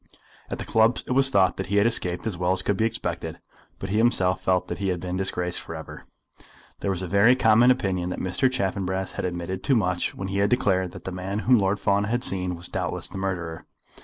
At the clubs it was thought that he had escaped as well as could be expected; but he himself felt that he had been disgraced for ever. There was a very common opinion that Mr. Chaffanbrass had admitted too much when he had declared that the man whom Lord Fawn had seen was doubtless the murderer.